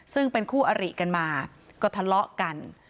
ซึ่งเป็นคู่อริกันมาก็ทะเลาะกัน